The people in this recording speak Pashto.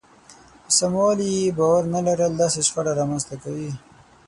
په سموالي يې باور نه لرل داسې شخړه رامنځته کوي.